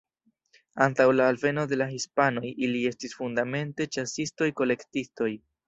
Antaŭ la alveno de la hispanoj ili estis fundamente ĉasistoj-kolektistoj.